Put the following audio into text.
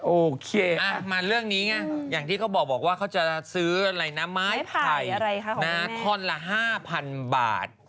โอเคมาเรื่องนี้ไงอย่างที่เขาบอกว่าเขาจะซื้ออะไรนะไม้ไผ่ท่อนละ๕๐๐๐บาท